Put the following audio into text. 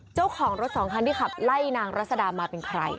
เจ้าของรถสองคันที่ขับไล่นางรัศดามาเป็นใคร